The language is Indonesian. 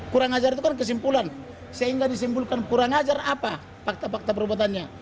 kurang ajar itu kan kesimpulan sehingga disimpulkan kurang ajar apa fakta fakta perbuatannya